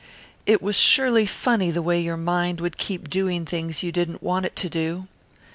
It was surely funny the way your mind would keep doing things you didn't want it to do.